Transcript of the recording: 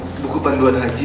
lo baca buku panduan haji